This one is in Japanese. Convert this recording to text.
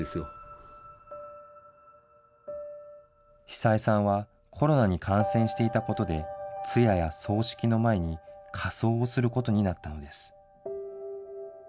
久枝さんはコロナに感染していたことで、通夜や葬式の前に火葬をすることになったのです。